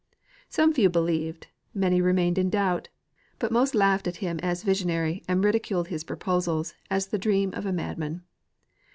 Some few believed, many remained in doubt, but most laughed at him as visionary and ridiculed his proposals as the dream of a mad man.